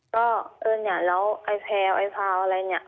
ก็เออเนี่ยแล้วไอ้แพลวไอ้พาวอะไรเนี่ย